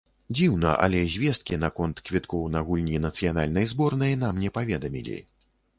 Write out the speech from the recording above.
Дзіўна, але звесткі наконт квіткоў на гульні нацыянальнай зборнай нам не паведамілі.